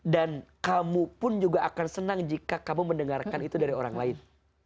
dan kamu pun juga akan senang jika kamu mendengarkan itu dari orang lain